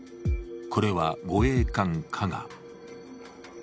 これは護衛艦「かが」。